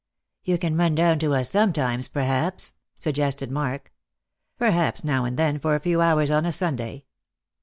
" You can run down to us sometimes, perhaps," suggested Mark. " Perhaps now and then for a few hours on a Sunday.